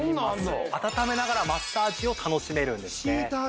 温めながらマッサージを楽しめるんですね。